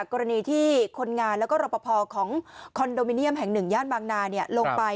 กรณีที่คนงานแล้วก็รอปภของคอนโดมิเนียมแห่งหนึ่งย่านบางนาลงไป